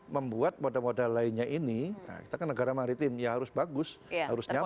membuat model model lainnya ini kita kan negara maritim ya harus bagus harus nyaman